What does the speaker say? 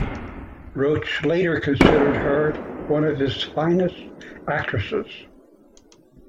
Roach later considered her one of his finest actresses.